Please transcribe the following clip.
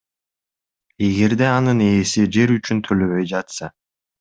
эгерде анын ээси жер үчүн төлөбөй жатса.